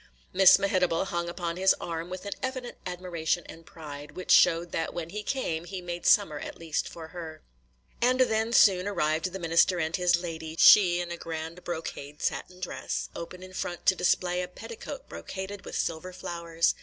Miss Mehitable hung upon his arm with an evident admiration and pride, which showed that when he came he made summer at least for her. After them soon arrived the minister and his lady, – she in a grand brocade satin dress, open in front to display a petticoat brocaded with silver flowers.